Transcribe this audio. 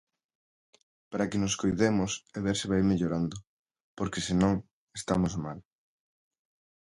Para que nos coidemos e ver se vai mellorando, porque se non, estamos mal.